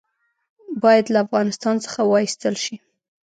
باید له افغانستان څخه وایستل شي.